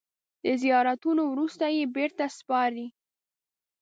د زیارتونو وروسته یې بېرته سپاري.